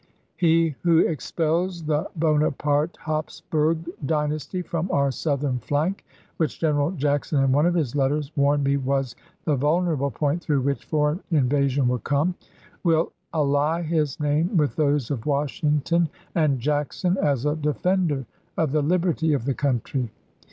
.."' He who expels the Bonaparte Hapsburg dy nasty from our Southern flank, which General Jackson in one of his letters warned me was the vulnerable point through which foreign invasion would come, will ally his name with those of Washington and Jackson as a defender of the liberty of the country.